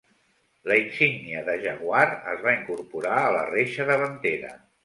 La insígnia de Jaguar es va incorporar a la reixa davantera.